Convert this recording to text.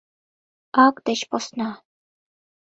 — Ак деч посна.